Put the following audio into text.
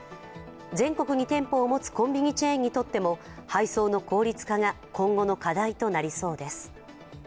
全国に店舗を持つコンビニチェーンにとっても、配送の効率化が今後の課題となりそうです。